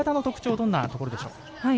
どんなところでしょう？